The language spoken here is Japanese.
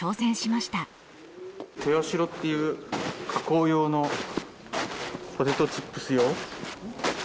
トヨシロっていう加工用のポテトチップス用。